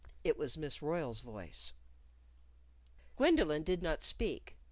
It was Miss Royle's voice. Gwendolyn did not speak.